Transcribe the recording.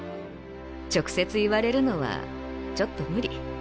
直接言われるのはちょっとムリ。